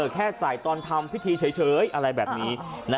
แค่ใส่ตอนทำพิธีเฉยอะไรแบบนี้